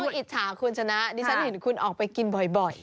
คุณอิจฉาคุณชนะดิฉันเห็นคุณออกไปกินบ่อย